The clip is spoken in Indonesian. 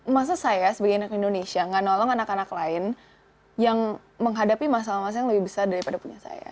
masa saya sebagai anak indonesia nggak nolong anak anak lain yang menghadapi masalah masalah yang lebih besar daripada punya saya